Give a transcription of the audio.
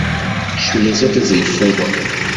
Shule zote zilifungwa.